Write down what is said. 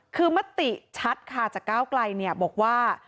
คือมาติทั้งแดดจะก้าวไกลบุคว่า